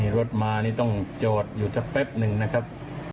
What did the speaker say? รถมานี่ต้องจอดอยู่สักแป๊บหนึ่งนะครับ